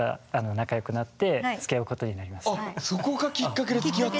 あっそこがきっかけでつきあった。